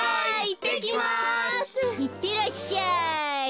いってらっしゃい。